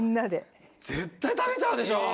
絶対食べちゃうでしょう。